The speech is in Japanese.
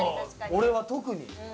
俺は特に。